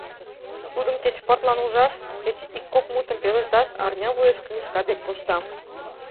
Тудым кеч пыртлан ужаш, кеч ик-кок мутым пелешташ арня вуеш книжка дек коштам...